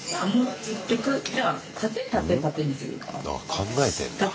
考えてんだ。